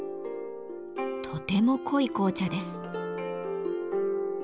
とても濃い紅茶です。